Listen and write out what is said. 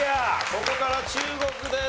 ここから中国です。